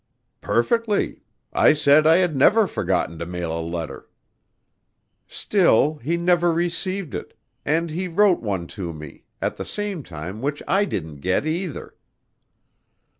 "Perfectly. I said I had never forgotten to mail a letter." "Still, he never received it and he wrote one to me at the same time which I didn't get, either."